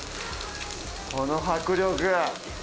この迫力！